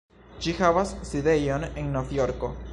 Ĝi havas sidejon en Novjorko.